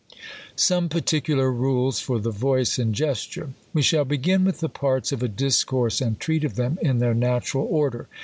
Some PARTICULAR RULES tor the VOICE AND GESTURE. WE shall begin with the parts of a discourse, and treat of them in their natural order.